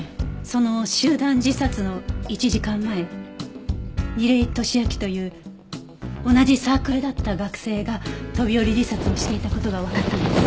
その集団自殺の１時間前楡井敏秋という同じサークルだった学生が飛び降り自殺をしていた事がわかったんです。